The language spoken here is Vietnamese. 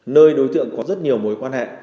nơi đối tượng có rất nhiều mối quan hệ